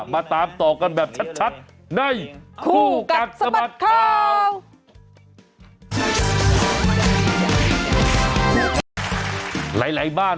มาตามต่อกันแบบชัดใน